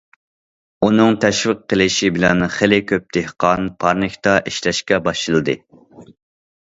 ئۇنىڭ تەشۋىق قىلىشى بىلەن خېلى كۆپ دېھقان پارنىكتا ئىشلەشكە باشلىدى.